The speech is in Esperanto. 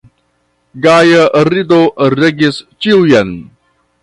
Gaja rido regis ĉiujn.